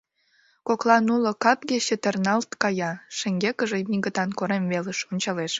Коклан уло капге чытырналт кая, шеҥгекыже, Мигытан корем велыш, ончалеш.